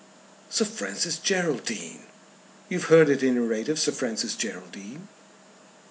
"Sir Francis Geraldine ! You have heard at any rate of Sir Francis Geraldine."